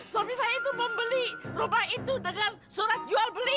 suami saya itu membeli rumah itu dengan surat jual beli